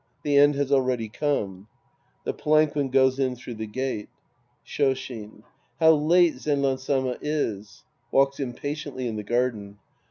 The end has already come. {The palanquin goes in through the gate.) Shoshin. How late Zenran Sama is ! {Walks impatiently in the garden.)